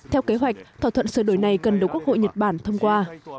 theo kế hoạch thỏa thuận sửa đổi này cần được quốc hội nhật bản thông qua